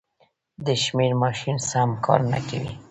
د شمېر ماشین سم کار نه کوي.